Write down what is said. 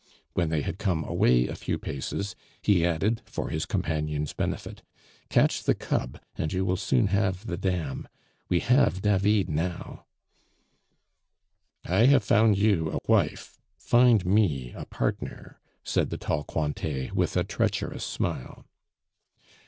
When they had come away a few paces, he added, for his companion's benefit, "Catch the cub, and you will soon have the dam; we have David now " "I have found you a wife, find me a partner," said the tall Cointet with a treacherous smile.